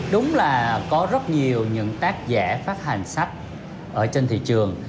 đúng là có rất nhiều những tác giả phát hành sách ở trên thị trường